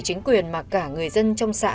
chính quyền mà cả người dân trong xã